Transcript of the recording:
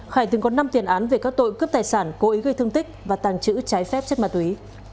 khải từng có năm tiền án về các tội cướp tài sản cố ý gây thương tích và tàng trữ trái phép chất ma túy